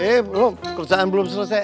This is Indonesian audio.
eh belum perusahaan belum selesai